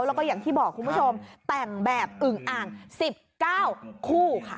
แล้วก็อย่างที่บอกคุณผู้ชมแต่งแบบอึงอ่าง๑๙คู่ค่ะ